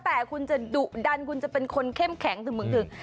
แต่คุณจะดุดันคุณจะเป็นคนเข้มแข็งถึงมึงถึง